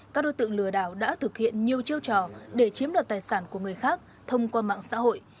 các đối tượng lừa đảo đã thực hiện nhiều chiêu trò để chiếm đoạt tài sản của người khác thông qua mạng xã hội